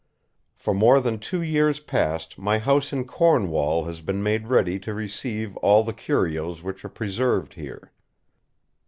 For more than two years past my house in Cornwall has been made ready to receive all the curios which are preserved here.